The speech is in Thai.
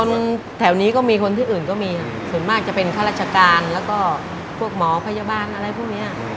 แถวนี้ก็มีคนที่อื่นก็มีส่วนมากจะเป็นข้าราชการแล้วก็พวกหมอพยาบาลอะไรพวกเนี้ย